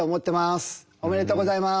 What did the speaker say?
おめでとうございます。